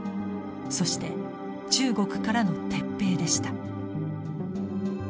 そして中国からの撤兵でした。